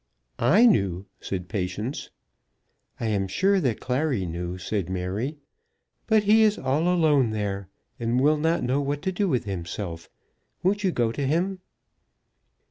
"I knew," said Patience. "I am sure that Clary knew," said Mary. "But he is all alone there, and will not know what to do with himself. Won't you go to him?"